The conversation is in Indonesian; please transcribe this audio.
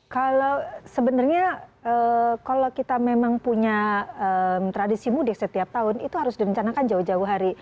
kalau sebenarnya kalau kita memang punya tradisi mudik setiap tahun itu harus direncanakan jauh jauh hari